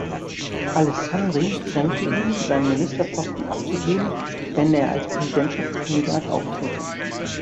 Alessandri drängte ihn, seinen Ministerposten abzugeben, wenn er als Präsidentschaftskandidat auftrete.